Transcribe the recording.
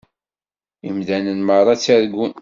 Imdanen meṛṛa ttargun.